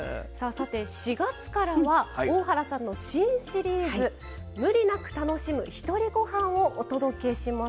さて４月からは大原さんの新シリーズ無理なく楽しむひとりごはんをお届けします。